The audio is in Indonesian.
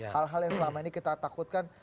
hal hal yang selama ini kita takutkan